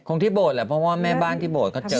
คงที่โดดแหละเพราะว่าแม่บ้านที่โบสถก็เจอ